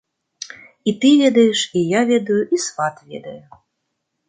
І ты ведаеш, і я ведаю, і сват ведае.